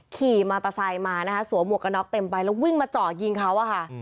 ขี่มอเตอร์ไซค์มานะคะสวมหวกกระน็อกเต็มใบแล้ววิ่งมาเจาะยิงเขาอะค่ะ